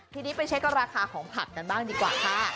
ทีนี้ไปเช็คราคาของผักกันบ้างดีกว่าค่ะ